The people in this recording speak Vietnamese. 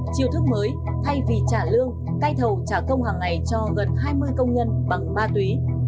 chiều thức mới thay vì trả lương cai thầu trả công hàng ngày cho gần hai mươi công nhân bằng ma túy